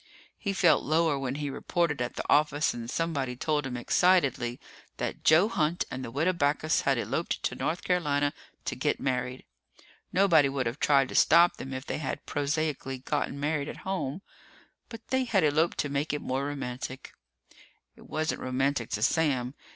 He felt lower when he reported at the office and somebody told him excitedly that Joe Hunt and the Widow Backus had eloped to North Carolina to get married. Nobody would have tried to stop them if they had prosaically gotten married at home, but they had eloped to make it more romantic. It wasn't romantic to Sam.